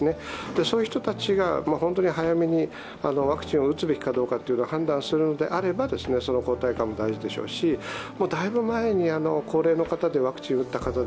そういう人たちが、本当に早めにワクチンを打つべきかどうかを判断するのであれば、抗体価も大事でしょうし、だいぶ前に高齢の方でワクチンを打った方。